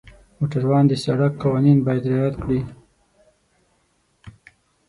موټروان د سړک قوانین باید رعایت کړي.